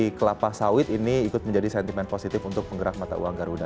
dan harga komoditas seperti kelapa sawit ini ikut menjadi sentimen positif untuk penggerak mata uang garuda